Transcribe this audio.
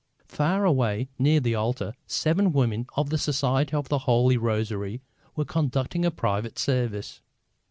Far away, near the altar, seven women of the Society of the Holy Rosary were conducting a private service.